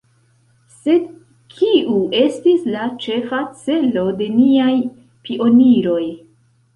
Sed kiu estis la ĉefa celo de niaj pioniroj?